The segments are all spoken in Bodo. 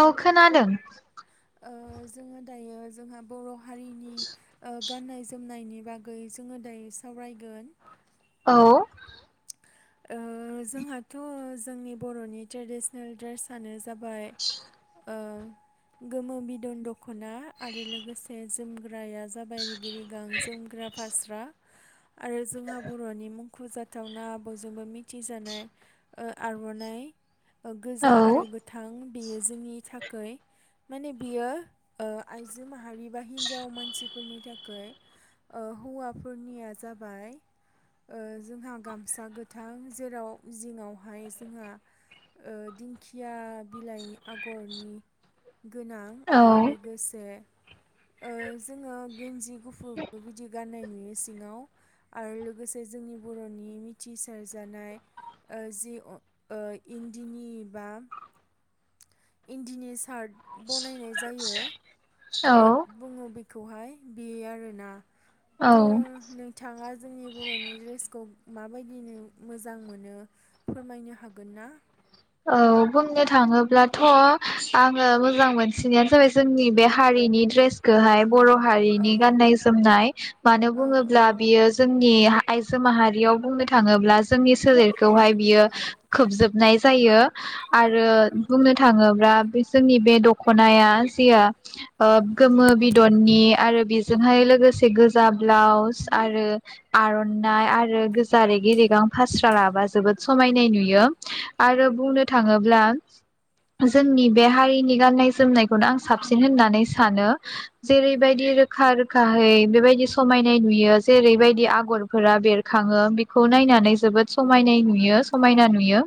औ खोनादों ओ जोङो दायो जोंहा बर' हारिनि ओ गाननाय जोमनायनि बागै जोङो दायो सावरायगोन औ ओ जोंहाथ' जोंनि बर'नि ट्रेडिसनेल ड्रेसआनो जाबाय ओ गोमो बिदन दख'ना आरो लोगोसे जोमग्राया जाबाय गिरि गां जोमग्रा फास्रा आरो जोंहा बर'नि मुंख'जाथावना बयजोंबो मिथिजानाय आर'नाइ गोजा आरो गोथां बेयो जोंनि थाखाय माने बियो आइजो माहारि बा हिन्जाव मानसिफोरनि थाखाय हौवाफोरनिया जाबाय ओ जोंहा गाम फिसा गोथां जेराव जिङावहाय जोंहा ओ दिंखिया बिलाइ आगरनि गोनां आरो लोगोसे ओ जोङो गेन्जि गुफुरबो बिदि गाननाय नुयो सिङाव आरो लोगोसे जोंनि बर'नि थिसारजानाय जि इन्दिनि बा इन्दिनि सार्ट बनायनाय जायो कट बुङ बि खौहाय बेयो आरोना दं नों थाङा जोंनि बर'नि ड्रेसखौ माबायदिनो मोजां मोनो फोरमायनो हागोन ना औ बुंनो थाङोब्लाथ' आङो मोजां मोनसिनायानो जाबाय जोंनि बे हारिनि ड्रेसखौहाय बर' हारिनि गान्नाय जोमनाय मानो बुङोब्ला बियो जोंनि आइजो माहारियाव बुंनो थाङोब्ला जोंनि सोलेरखौहाय बियो खोबजोबनाय जायो आरो बुंनो थाङोब्ला बे जोंनि बे दख'नाया जिया गोमो बिदननि बेजोंहाय लोगोसे गोजा ब्लाउस आरो आर'नाइ आरो गोजा रेगि रेगां फास्रा लाबा जोबोद समाय नाय नुयो आरो बुंनो थाङोब्ला जोंनि बे हारिनि गान्नाय जोमनायखौनो आं साबसिन होननानै सानो जेरैबायदि रोखा रोखायै बेबायदि समायनाय नुयो जेरैबायदि आगरफोरा बेरखाङो बेखौ नायनानै जोबोद समायनाय नुयो समायना नुयो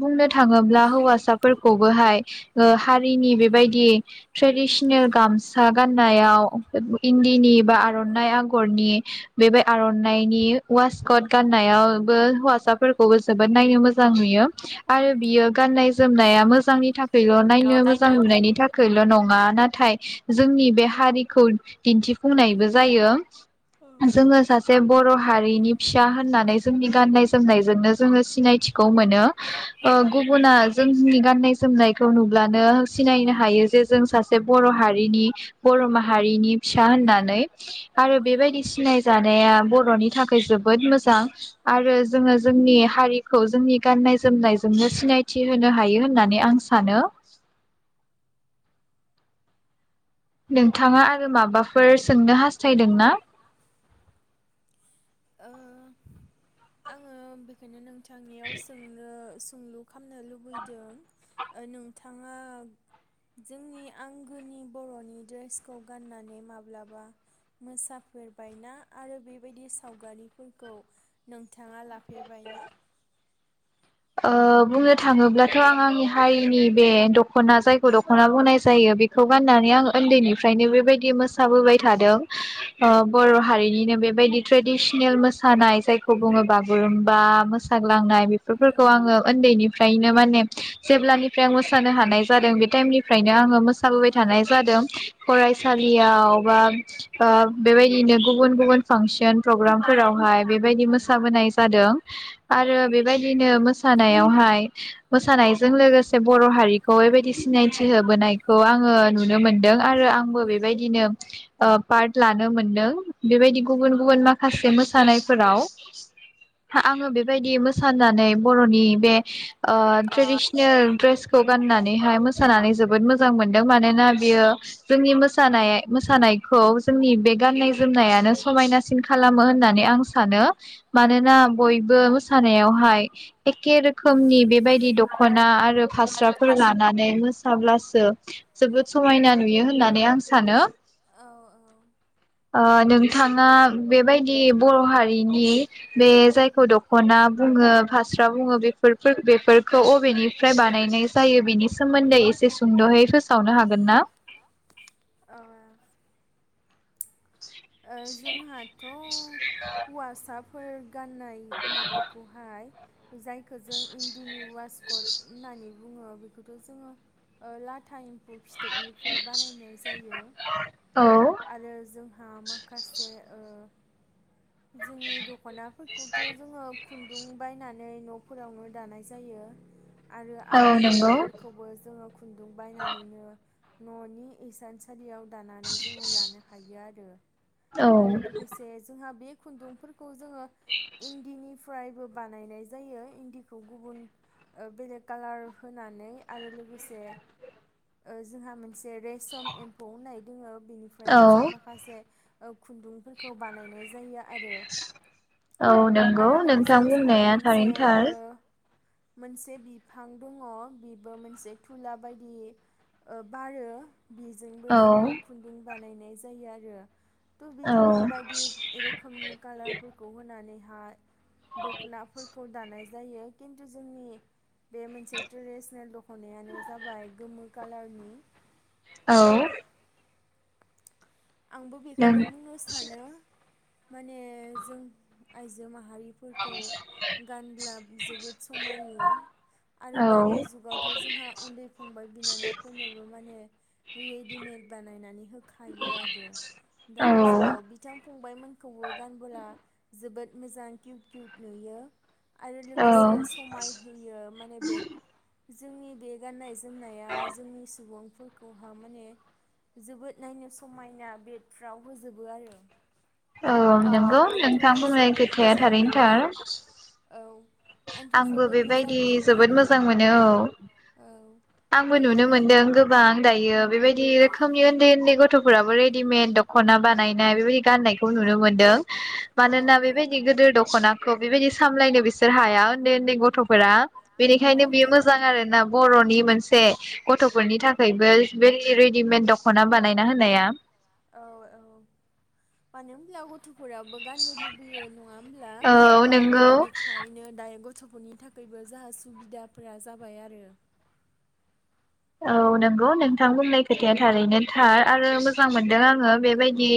बुंनो थाङोब्ला हौवासाफोरखौबो हाय हारिनि बेबायदि ट्रेडिसनेल गामसा गाननायाव इन्दिनि बा आर'नाइ आगरनि बेबाय आर'नाइनि ववासकट गाननायावबो हौवासाफोरखौबो जोबोद नायनो मोजां नुयो। आरो बियो गाननाय जोमनाया मोजांनि ल' नायनो मोजां नुनायनि थाखायल' नङा नाथाय जोंनि बे हारिखौ दिन्थिफुंनायबो जायो जोङो सासे बर' माहारिनि फिसा होननानै जोंनि गाननाय जोमनायजोंनो जोङो सिनायथिखौ मोनो। गुबुना जोंनि गान्नाय जोमनायखौ नुब्लानो सिनायनो हायो जे जों सासे बर' हारिनि बर' माहारिनि फिसा होननानै। आरो बेबायदि सिनाय जानाया बर' बर'नि थाखाय जोबोद मोजां आरो जोङो जोंनि हारिखौ जोंनि गाननाय जोमनायजोंनो सिनायथि होनो हायो होननानै आं सानो। नोंथाङा आरो माबाफोर सोंनो हास्थायदों ना? ओ आङो बेखायनो नों। थांनायाव सोंनो सो सुंलु खालामनो लुबैदों नोंथाङा जोंनि आंगोनि बर'नि ड्रेसखौ गाननानै माब्लाबा मोसाफेरबायना आरो बेबायदि सा सावगारिफोरखौ नोंथाङा लाफेरबाय ना? ओ बुंनो थाङोब्लाथ' आं आंनि हारिनि बे दख'ना जायखौ दख'ना बुंनाय जायो बेखौ गाननानै आं उन्दैनिफ्रायनो बेबायदि मोसाबोबाय थादों बर' हारिनिनो बेबायदि ट्रेडिसनेल मोसानाय जायखौ बुङो बागुरुमबा मोसाग्लांनाय बेफ फोरखौ आङो उन्दैनिफ्रायनो माने जेब्लानिफ्राय आं मोसा मोसानो हानाय जादों बे टाइमनिफ्रायनो आङो मोसाबोबाय थानाय जादों। फरायसालियाव बा ओ बेबायदिनो गुबुन गुबुन फांसन प्रग्रामफोरावहाय बेबायदि मोसाबोनाय जादों आरो बे नो मोसानायावहाय मोसानायजों लोगोसे बर' हारिखौ बेबायदि सिनायथि होबोनायखौ आङो नुनो मोनदों आरो आं आंबो बेबायदिनो। ओ पार्ट लानो मोनदों। बेबायदि गुबुन गुबुन माखासे मोसानायफोराव आङो बे बायदि मोस नानै बर'नि बे अ ट्रेदिसनेल द्रसखौ गाननानै फ्राय मोसानानै जबोद मोजां मोन मानोना बेयो जोंनि मोसानायखौ जोंनि बे गाननाय जोमनायानो समायनासिन खालामो होननानै आं सानो मानोना बयबो मोसानायावहाय एखे रोखोमनि बेबायदि दख'ना आरो फास्राफोर लानानै मोसा थाब्लासो जोबोद समायना नुयो होननानै आं सानो ओ नोंथाङा बेबायदि बर' हारिनि बे जायखौ दख दखना बुङो फास्रा बुङो बे बेफोरखौ अबेनिफ्राय बानायनाय जायो बेनि सोमोन्दै एसे सुंद'यै फोसावनो हागोन ना? जोंहाथ' हौवासा फोर गाननाय माबाखौहाय जायखौ जों इन्दिनि वासकट होननानै बुङो बेखौथ जोङो ओ लाथा एम्फौ फिथोबनिफ्राय बानायनाय जायो आरो जोंहा माखासे ओं जोंनि दखनाफोरखौथ जोङो खुन्दुं बायनानै न'फोरावनो दानाय जायो। आरो आर'नाइफोरखौबो जोङो खुन्दुं बायनानैनो न'नि इसानसालियाव दानानै जोङो लानो हायो आरो। [unintelligible] आरो लोगोसे जोंहा बे खुन्दुंफोरखौ जोङो इन्दिनि फ्रायबो बानायनाय जायो इन्दिखौ गुबुन बेलेक कालार होनानै आरो लोगोसे जोंहा ओ मोनसे रेसम एम्फौ होननाय दङो बेनिफ्रायबो जों माखा माखासे ओ खुन्दुंफोरखौ बानायनाय जायो औ नंगौ नोंथां बुंनाया थारैनो थार। मोनसे बिफां दङ बेबो मोनसे थुला बायदि ओ बारो बेजोंबो जोङो खुन्दुं बानायनाय जायो आरो थ बिदिनो बायदि रोखोमनि खालारफोरखौ होनानै हा दखनाफोरखौ खौ दानाय जायो खिन्थु जोंनि बे मोनसे ट्रेडिसनेल दखनायानो जाबाय गोमो खालारनि औ आंबो बेखौनो बुंनो सानो माने जों आइजो मा हारिफोरखौ गानब्ला जोबोद समायो आरो दानि जुगावथ' जोंहा उन्दै फंबाय बिनानावफोरनोबो माने रेडिमेड बानायनानै होखायो आरो दानि जुगाव बिथां फंबायमोनखौबो गानबोला जोबोद मोजां किउट किउट नुयो। आरो लोगोसे समाय होयो माने बे जोंनि बे गाननाय जोमनाया जोंनि सुबुं फुलखौहा माने जोबोद नायनो समाय ना बेदफ्राव होजोबो आरो औ नंगौ नोंथां बुंनाय खोथाया थारैनो थार। आंबो बेबायदि जोबोद मोजां मोनो औ आंबो नुनो मोनदों गोबां दायो बेबायदि खामि उन्दै उन्दै ग थ'फोराबो रेडिमेड दख'ना बानायनाय बेबायदि गान्नायखौ नुनो मोन्दों मानोना बेबायदि गोदोर दख'नाखौ बेबायदि सामलायनो बे सोर हाया उन्दै उन्दै गथ'फोरा बेनिखायनो बियो मोजां आरोना बर'नि मोनसे गथ'फोरनि थाखायबो बे रेडिमेड दख'ना बानायना हो नाया [unintelligible] थ'फोराबबो गाननो लुबैयो नङा होमब्ला ओ थ' बेखायनो दायो ग थ'फोरनि थाखायबो जाहा सुबिदाफोरा जाबाय आरो औ नंगौ नोंथां बुंनाय खोथाया थारैनो थार आरो मोजां मोन दों आङो बेबायदि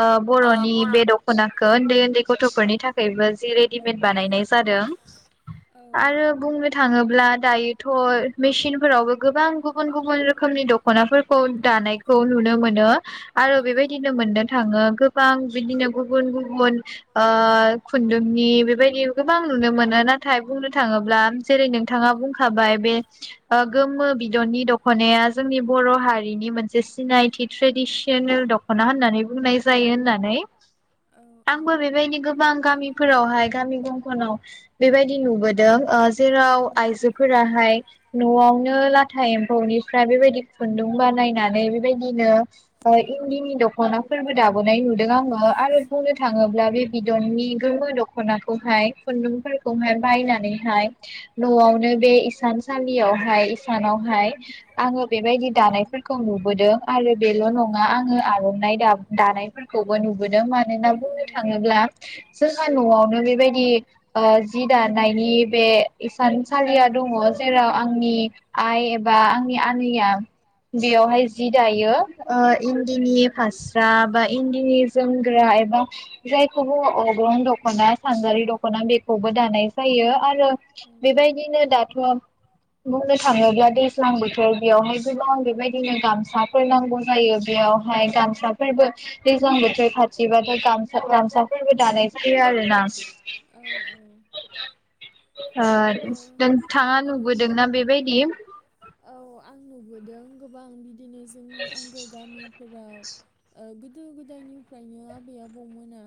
ओ बर'नि बे दख'नाखौ उन्दै उन्दै गथ'फोरनि थाखायबो जि रेडिमेड बानायनाय जादों आरो बुंनो थाङोब्ला दायोथ' मेचिन फोरावबो गोबां गुबुन गुबुन रोखोमनि दख'नाफोरखौ दानायखौ नुनो मोनो आरो बेबायदिनो मोननो थाङो गोबां बिदिनो गुबुन गुबुन ओ खुन्दुंनि बेबायदि गोबां नुनो मोनो नाथाय बुंनो थाङोब्ला जेरै नोंथाङा बुंखाबाय बे ओ गोमो दनि दख'नाया जोंनि बर' हारिनि मोनसे सिनायथि ट्रेडिसनेल दख'ना होननानै बुंनाय जायो नै आंबो बेबायदि गोबां गामिफोरावहाय गामि गंखनाव बेबायदि नुबोदों ओ जेराव आइजोफोराहाय न'आवनो ला था एम्फौनिफ्राय बेबायदि खुन्दुं बानायनानै बेबायदिनो ओ इन्दिनि दखना फोर [inaudible] नुदों आङो आरो बुंनो थाङोब्ला बे बिदननि गोमो दखनाखौहाय खुन्दुं फोरखौहाय बायनानैहाय न'आवनो बे इसानसालियावहाय हाय आङो बेबायदि दानायफोरखौ नुबोदों आरो बेल' नङा आङो आर'नाइ दाब दा खौबो नुबोदों मानोना बुंनो थाङोब्ला जोंहा न'आवनो बेबायदि ओ जि दानायनि बे हिसानसालिया दङ जेराव आंनि आइ एबा आंनि आनैया बेयावहाय जि दायो ओ इन्दिनि फास्रा बा बा इन्दिनि जोमग्रा एबा जायखौबो अग्रं दख'ना सानजारि दख'ना बेखौबो दानाय जायो आरो बेबायदिनो दाथ' बुंनो थाङोब्ला दैज्लां बोथोर बेयावहाय गोबां बेबायदिनो गामसाफोर नांगौ जायो बेयावहाय गामसाफोर दैज्लां बोथोर खाथिबाथ' गमसा गामसाफोरबो दानाय जायो आरोना ओ नोंथाङा नुबोदों ना बेबायदि औ आं नुबोदों गोबां बिद नो जोंनि आंगो गामिफोराव ओ गोदो गोदायनिफ्रायनो आबै आबौमोना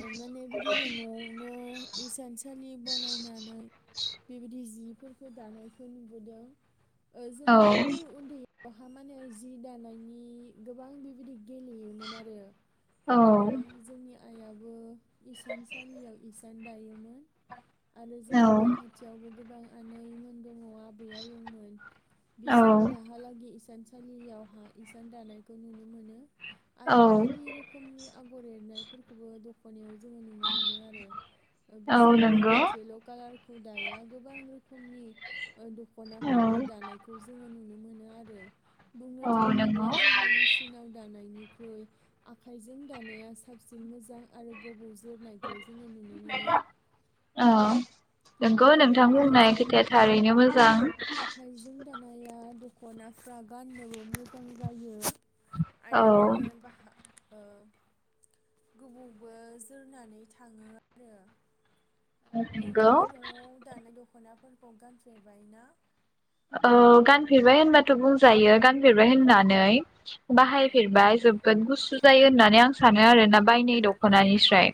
ओ माने बिदिनो न'आवनो इसानसा सालि बनायनानै बेबायदि जिफोरखौ दानायखौ नुबोदों ओ जोंबो उन्दै उन्दै अहा माने जि दानायनि गोबां बेबायदि गेलेयोमोन आरो त' जोंनि आइयाबो इसानसालियाव इसान दायोमोन आरो जोंनि न' खाथियावबो गोबां बिसोरबो दाहालागि इसान सालियावहा इसान दानायखौ नुनो मोनो आरो बायदि रोखोमनि आगर एरनाय फोर बो दख'नायाव जों नुनो मोनो आरो ओ बिसोरबो मोनसेल' कालार खौ दाया गोबां रोखोमनि ओ दख'नाफोरखौ दानायखौ जोङो नुनो मो मोनो आरो। बुंनो थाङोब्ला जोंहा मिसिनाव दानायनि ख्रुइ आखाइजों दानाया साबसिन - बांसिन मोजां आरो गोबाव जोरनायखौ जोङो नुनो मोनो। आरो आखाइजों औ आखाइजों दानाया दख खनाफ्रा गाननोबो मोजां जायो। आरो माने बाहा ओ गोबावबो जोरनानै थाङो आरो नोंथाङा न'आव दानाय द ख'नाफोरखौ गानफेरबाय ना? औ गानफेरबाय होनबाथ' बुंजायो गानफेरबाय होननानै बाहायफेरबाय जोबोद गुसु जायो होननानै आं सानो आरोना बायनाय दखनानिस्राय।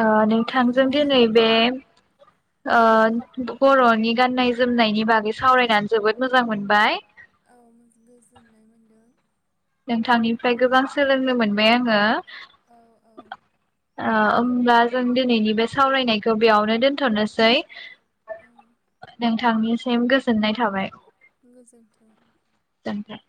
ओ नोंथांजों दिनै बे ओ बर'नि गाननाय जोमनायनि बागै सावरायनानै जोबोद मोजां मोनबाय। नोंथांनिफ्राय गोबां सोलोंनो मोनबाय आङो ओ होमब्ला जों जों दिनैनि बे सावरायनायखौ बेयावनो दोनथ'नोसै नोंथांनिसिम गोजोननाय थाबाय गोजोनथों।